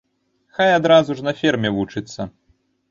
Хай адразу ж на ферме вучыцца!